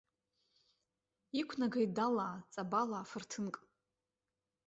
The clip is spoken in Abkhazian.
Иқәнагеит далаа, ҵабалаа фырҭынк.